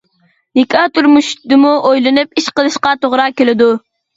نىكاھ تۇرمۇشىدىمۇ ئويلىنىپ ئىش قىلىشقا توغرا كېلىدۇ.